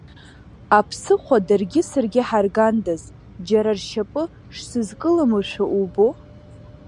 Аԥсыхәа даргьы саргьы ҳаргандаз, џьара ршьапы шсызкыламыршәо убоу!